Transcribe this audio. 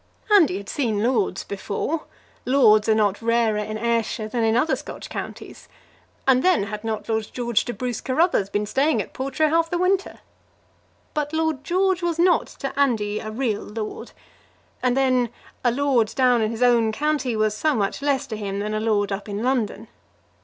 Andy had seen lords before. Lords are not rarer in Ayrshire than in other Scotch counties; and then, had not Lord George de Bruce Carruthers been staying at Portray half the winter? But Lord George was not to Andy a real lord, and then a lord down in his own county was so much less to him than a lord up in London.